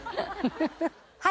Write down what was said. はい。